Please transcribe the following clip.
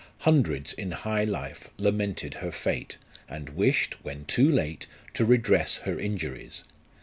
Hundreds in high life lamented her fate, and wished, when too late, to redress her injuries.